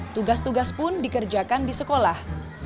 tugas tugas pun dikerjakan di sekolah